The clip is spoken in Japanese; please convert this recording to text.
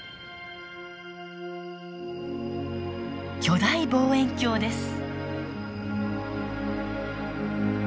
巨大望遠鏡です。